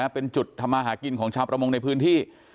เป็นจุดทำมาหากินของชาวประมงในพื้นที่